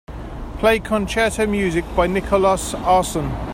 Play concerto music by Nicholaus Arson.